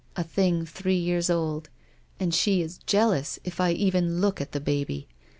"A thing three years old. And she is jealous if I even look at the baby.